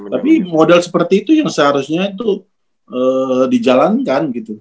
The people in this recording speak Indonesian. tapi model seperti itu yang seharusnya itu dijalankan gitu